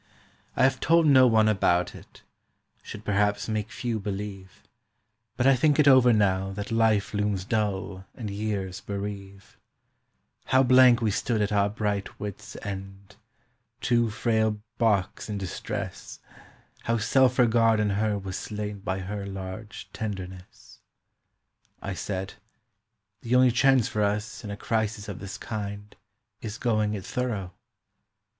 I have told no one about it, should perhaps make few believe, But I think it over now that life looms dull and years bereave, How blank we stood at our bright wits' end, two frail barks in distress, How self regard in her was slain by her large tenderness. I said: "The only chance for us in a crisis of this kind Is going it thorough!"